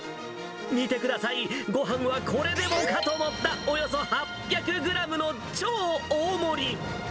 見てください、ごはんはこれでもかと盛った、およそ８００グラムの超大盛り。